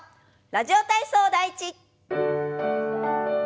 「ラジオ体操第１」。